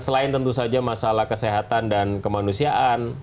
selain tentu saja masalah kesehatan dan kemanusiaan